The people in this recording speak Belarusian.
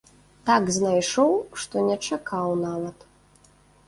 Так знайшоў, што не чакаў нават!